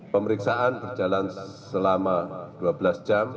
pemeriksaan berjalan selama dua belas jam